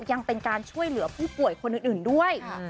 ยังเป็นการช่วยเหลือผู้ป่วยคนอื่นด้วย